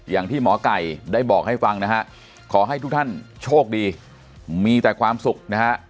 อย่างที่หมอไก่ได้บอกให้ฟังนะฮะขอให้ทุกท่านโชคดีมีแต่ความสุขนะฮะ